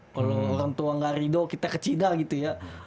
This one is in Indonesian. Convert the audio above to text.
kalau orang tua nggak ridho kita ke cina gitu ya